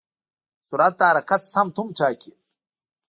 سرعت د حرکت سمت هم ټاکي.